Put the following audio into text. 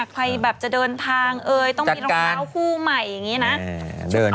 ใครแบบจะเดินทางเอ่ยต้องมีรองเท้าคู่ใหม่อย่างนี้นะ